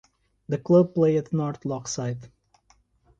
The club play at North Lochside.